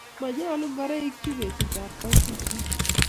Manyalo ngoroik chu betut ab kaititiet